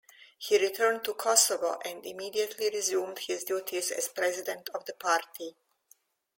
He returned to Kosovo and immediately resumed his duties as president of the party.